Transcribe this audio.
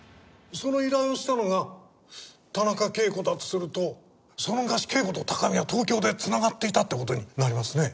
その依頼をしたのが田中啓子だとするとその昔啓子と高見は東京で繋がっていたって事になりますね。